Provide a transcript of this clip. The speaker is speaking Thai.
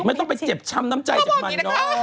ไม่ต้องไปเจ็บช้ำน้ำใจจากมันเนอะ